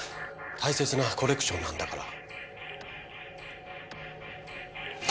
大切なコレクションなんだから。